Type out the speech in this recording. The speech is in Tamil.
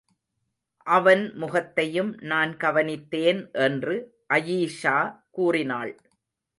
அவன் முகத்தையும் நான் கவனித்தேன் என்று அயீஷா கூறினாள்.